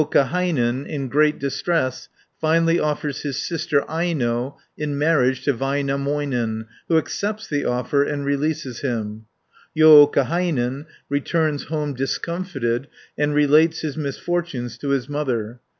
Joukahainen, in great distress, finally offers his sister Aino in marriage to Väinämöinen, who accepts the offer and releases him (331 476). Joukahainen returns home discomfited, and relates his misfortunes to his mother (477 524).